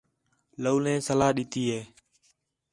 لَولیں صلاح ݙِتّی ہِے